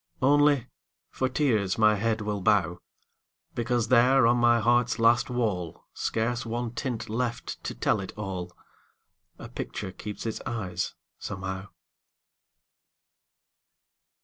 Only, for tears my head will bow, Because there on my heart's last wall, Scarce one tint left to tell it all, A picture keeps its eyes, somehow.